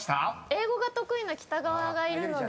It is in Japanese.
英語が得意な北川がいるので。